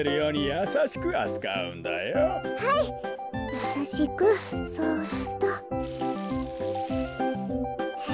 やさしくそっと。